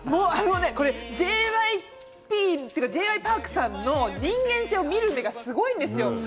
これＪ．Ｙ．Ｐａｒｋさんの人間性を見る目がすごいんですよ。